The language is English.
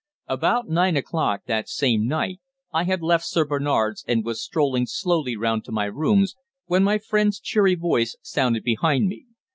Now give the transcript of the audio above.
About nine o'clock that same night I had left Sir Bernard's and was strolling slowly round to my rooms, when my friend's cheery voice sounded behind me.